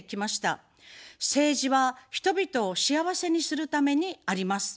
政治は人々を幸せにするためにあります。